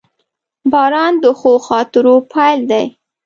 • باران د ښو خاطرو پیل دی.